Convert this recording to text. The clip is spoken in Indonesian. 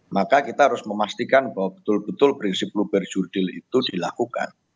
maka kita harus memastikan bahwa betul betul prinsip luber jurdil itu dilakukan